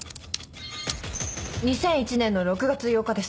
２００１年の６月８日です。